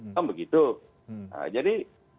kan begitu jadi